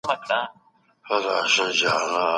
ده پښتانه د خپلواکۍ لپاره راوپارول